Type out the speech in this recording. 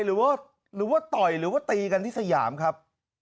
หรือว่าต่อยหรือว่าตีกันที่สยามครับ